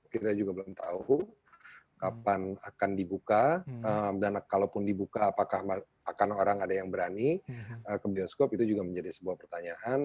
kita juga belum tahu kapan akan dibuka dan kalaupun dibuka apakah akan orang ada yang berani ke bioskop itu juga menjadi sebuah pertanyaan